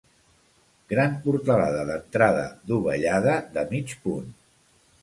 Gran portalada d'entrada dovellada de mig punt.